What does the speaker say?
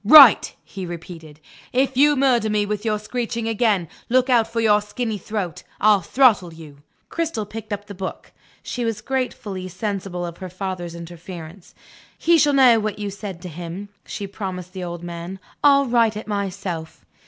"Write," he repeated. "If you murder me with your screeching again, look out for your skinny throat I'll throttle you." Cristel picked up the book. She was gratefully sensible of her father's interference. "He shall know what you said to him," she promised the old man. "I'll write it myself."